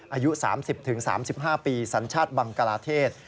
อายุ๓๐๓๕ปีสัญชาติบังกลาเทศ